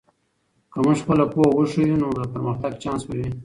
که موږ خپله پوهه وښیو، نو د پرمختګ چانس به وي.